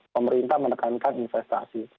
pemerintah menekankan investasi